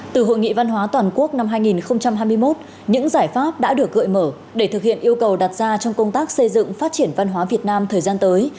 từ hội nghị văn hóa toàn quốc năm hai nghìn hai mươi một những giải pháp đã được gợi mở để thực hiện yêu cầu đặt ra trong công tác xây dựng phát triển văn hóa việt nam thời gian tới